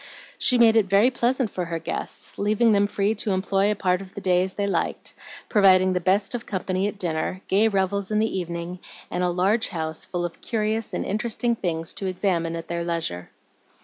She made it very pleasant for her guests, leaving them free to employ a part of the day as they liked, providing the best of company at dinner, gay revels in the evening, and a large house full of curious and interesting things to examine at their leisure.